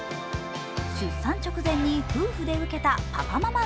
出産直前に夫婦で受けたパパママ